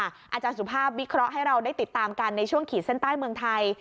อาจารย์สุภาพวิเคราะห์ให้เราได้ติดตามกันในช่วงขีดเส้นใต้เมืองไทย